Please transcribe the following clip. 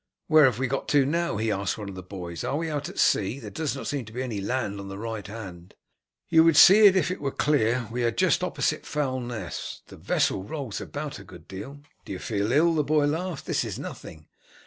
"Where have we got to now?" he asked one of the boys. "Are we out at sea? There does not seem to be any land on the right hand." "You would see it if it were clear. We are just opposite Foulness." "The vessel rolls about a good deal." "Do you feel ill?" the boy laughed. "This is nothing."